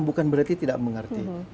bukan berarti tidak mengerti